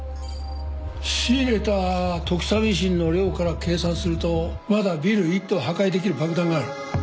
仕入れたトキサミシンの量から計算するとまだビル一棟破壊できる爆弾がある。